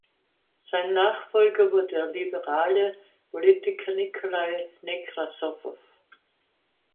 Sein Nachfolger wurde der liberale Politiker Nikolai Nekrassow.